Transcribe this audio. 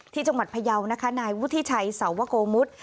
ที่จังหวัดพยาวนะคะนายวุฒิชัยสาวโกมุท